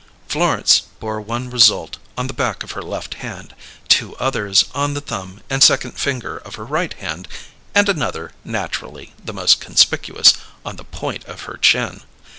Florence bore one result on the back of her left hand, two others on the thumb and second finger of her right hand, and another, naturally the most conspicuous, on the point of her chin.